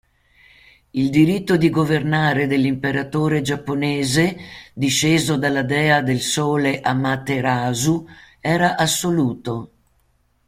Il diritto di governare dell'imperatore giapponese, disceso dalla dea del sole Amaterasu, era assoluto.